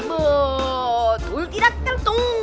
betul tidak tentu